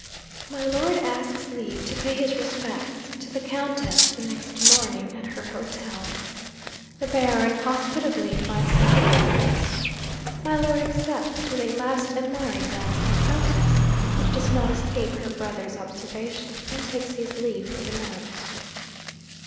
My Lord asks leave to pay his respects to the Countess, the next morning, at her hotel. The Baron hospitably invites him to breakfast. My Lord accepts, with a last admiring glance at the Countess which does not escape her brother's observation, and takes his leave for the night.